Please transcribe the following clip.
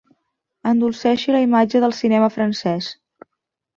Endolceixi la imatge del cinema francès.